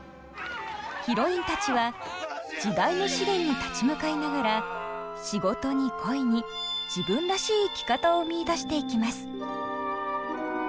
ヒロインたちは時代の試練に立ち向かいながら仕事に恋に自分らしい生き方を見いだしていきます。